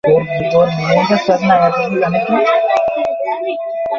এটি সরকারের পক্ষ থেকে তাঁদের প্রতি মহানুভবতা হিসেবে চিহ্নিত হবে।